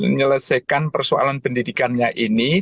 menyelesaikan persoalan pendidikannya ini